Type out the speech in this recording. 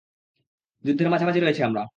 যুদ্ধের মাঝে রয়েছি আমরা।